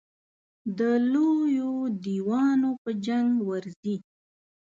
د لویو دېوانو په جنګ ورځي.